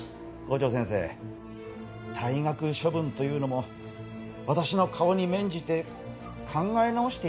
校長先生退学処分というのも私の顔に免じて考え直して頂けませんか？